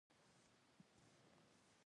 ټوپکوال ته یې یو څه وویل، ټوپکوال ته مې کتل.